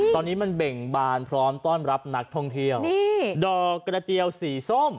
ตอนนี้มันเบ่งบานพร้อมต้อนรับนักท่องเที่ยวนี่ดอกกระเจียวสีส้ม